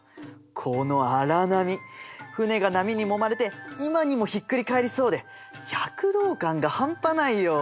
この荒波船が波にもまれて今にもひっくり返りそうで躍動感が半端ないよ。